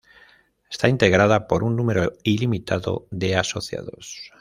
Está integrada por un número ilimitado de asociados.